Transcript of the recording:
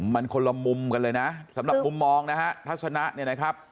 มันคนละมุมกันเลยนะสำหรับมุมมองนะฮะทัศนะเนี่ยนะครับ